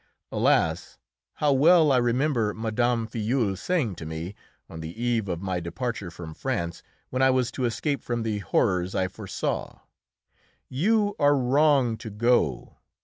Alas! how well I remember Mme. Filleul saying to me, on the eve of my departure from France, when I was to escape from the horrors I foresaw: "You are wrong to go.